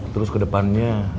terus ke depannya